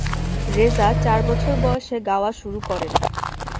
রেজা চার বছর বয়সে গাওয়া শুরু করেন।